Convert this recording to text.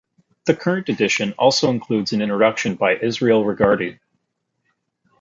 The current edition also includes an introduction by Israel Regardie.